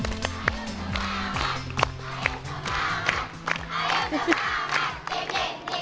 bagaimana cara mereka mengajar anak anak di sdn karat tengsin